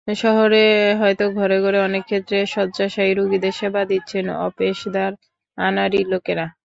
শহরে হয়তো ঘরে অনেক ক্ষেত্রে শয্যাশায়ী রোগীদের সেবা দিচ্ছেন অপেশাদার, আনাড়ি লোকেরা।